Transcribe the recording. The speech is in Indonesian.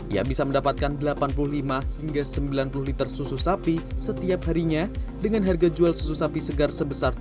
ia bisa mendapatkan delapan puluh lima hingga sembilan puluh liter susu sapi setiap harinya dengan harga jual susu sapi segar sebesar tiga puluh